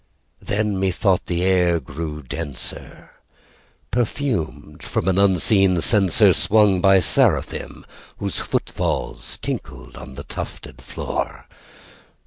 Then, methought, the air grew denser, perfumed from an unseen censerSwung by seraphim whose foot falls tinkled on the tufted floor.